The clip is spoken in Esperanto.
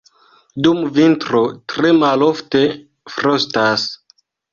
Dum vintro tre malofte frostas.